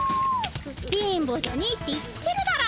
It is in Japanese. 電ボじゃねえって言ってるだろ。